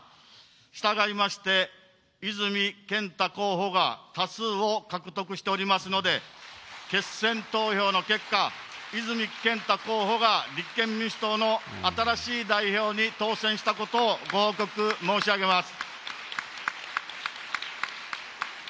したがいまして、泉健太候補が多数を獲得しておりますので、決選投票の結果、泉健太候補が立憲民主党の新しい代表に当選したことをご報告申し上げます。